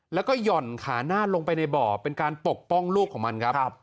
แล้วก็ห่อนขาหน้าลงไปในบ่อเป็นการปกป้องลูกของมันครับ